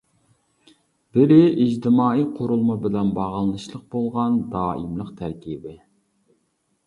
بىرى، ئىجتىمائىي قۇرۇلما بىلەن باغلىنىشلىق بولغان دائىملىق تەركىبى.